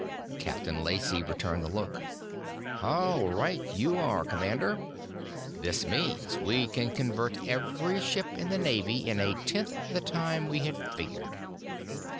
Captain Lacey returned the look. "How right you are, commander. This means we can convert every ship in the Navy in a tenth the time we had figured."